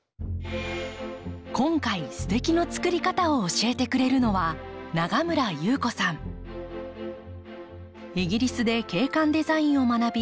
今回「すてき！の作り方」を教えてくれるのはイギリスで景観デザインを学び